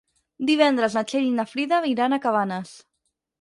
Divendres na Txell i na Frida iran a Cabanes.